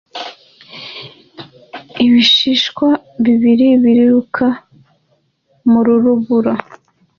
Ibishishwa bibiri biruka mu rubura